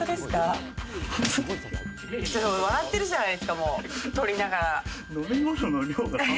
ちょっと笑ってるじゃないですか、とりながら。